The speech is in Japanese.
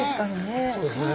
そうですね。